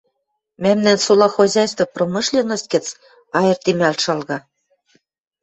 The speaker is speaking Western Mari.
мӓмнӓн сола хозяйство промышленность гӹц айыртемӓлт шалга.